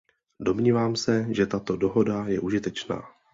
Domnívám se, že tato dohoda je užitečná.